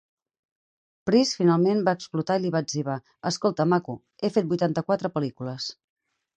Price finalment va explotar i li va etzibar: "Escolta, maco, he fet vuitanta-quatre pel·lícules".